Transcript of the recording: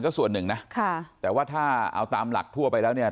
ก็ส่วนหนึ่งนะค่ะแต่ว่าถ้าเอาตามหลักทั่วไปแล้วเนี่ย